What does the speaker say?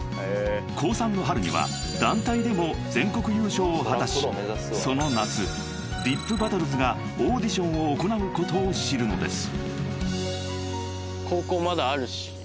［高３の春には団体でも全国優勝を果たしその夏ｄｉｐＢＡＴＴＬＥＳがオーディションを行うことを知るのです］